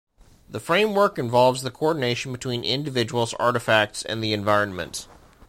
This framework involves the coordination between individuals, artifacts and the environment.